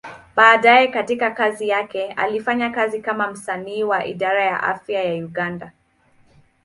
Baadaye katika kazi yake, alifanya kazi kama msanii wa Idara ya Afya ya Uganda.